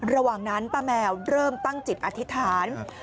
ระหว่างนั้นป้าแมวเริ่มตั้งจิตอธิษฐาน